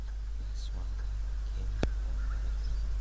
The best vanilla comes from Madagascar.